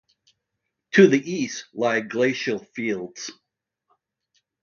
To the east lie glacial fields.